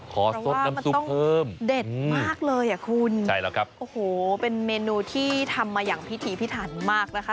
เพราะว่ามันต้องเด็ดมากเลยคุณโอ้โหเป็นเมนูที่ทำมาอย่างพิธีพิธารมากนะคะ